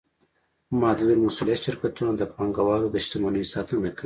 محدودالمسوولیت شرکتونه د پانګهوالو د شتمنیو ساتنه کوي.